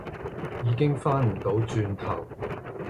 已經返唔到轉頭